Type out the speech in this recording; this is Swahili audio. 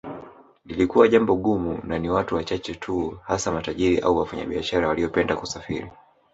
Lilikuwa jambo gumu na ni watu wachache tu hasa matajiri au wafanyabiashara waliopenda kusafiri